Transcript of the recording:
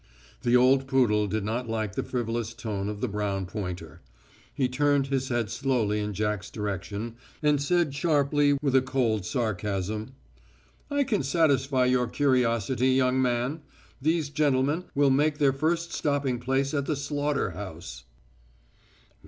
The old poodle did not like the frivolous tone of the brown pointer. He turned his head slowly in Jack's direction, and said sharply, with a cold sarcasm: "I can satisfy your curiosity, young man. These gentlemen will make their first stopping place at the slaughter house."